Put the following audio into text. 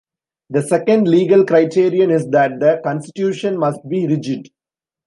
The second legal criterion is that the constitution must be rigid.